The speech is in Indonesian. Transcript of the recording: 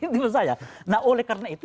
itu yang saya nah oleh karena itu